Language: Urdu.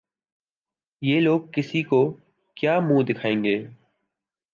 یہ لوگ کسی کو کیا منہ دکھائیں گے؟